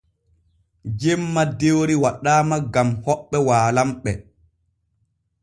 Jemma dewri waɗaama gam hoɓɓe waalanɓe.